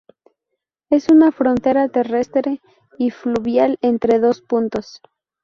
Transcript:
Es una frontera terrestre y fluvial entre dos puntos.